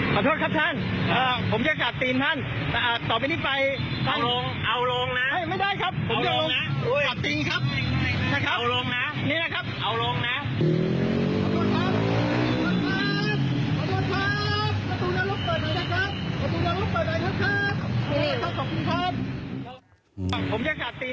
กระตูนรกเปิดหน่อยนะครับกระตูนรกเปิดหน่อยนะครับขอบคุณครับ